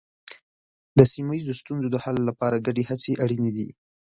د سیمه ییزو ستونزو د حل لپاره ګډې هڅې اړینې دي.